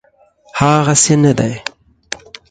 هغسي نه دی.